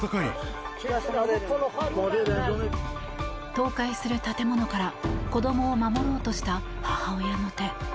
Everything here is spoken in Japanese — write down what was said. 倒壊する建物から子供を守ろうとした母親の手。